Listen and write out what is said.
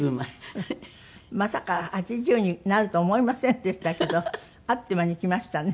まさか８０になると思いませんでしたけどあっという間に来ましたね。